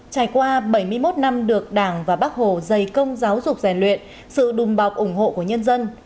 trải qua bảy mươi một năm được đảng và bác hồ dày công giáo dục rèn luyện sự đùm bọc ủng hộ của nhân dân